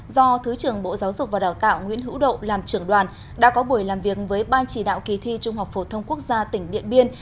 do thứ trưởng bộ giáo dục và đào tạo nguyễn hữu độ làm trưởng đoàn đã có buổi làm việc với ban chỉ đạo kỳ thi trung học phổ thông quốc gia tỉnh điện biên